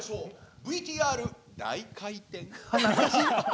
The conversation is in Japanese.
ＶＴＲ大回転！